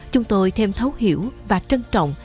chúng tôi thêm thấu hiểu và trân trọng